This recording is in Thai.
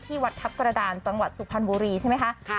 วัดทัพกระดานจังหวัดสุพรรณบุรีใช่ไหมคะ